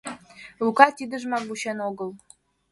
Лука тидыжымак вучен огыл.